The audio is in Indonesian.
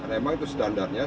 karena memang itu standarnya